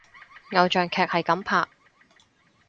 偶像劇係噉拍！